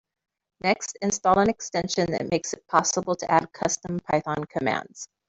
Next, install an extension that makes it possible to add custom Python commands.